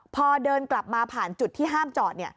พอเดินกลับมาผ่านจุดที่ห้ามจอด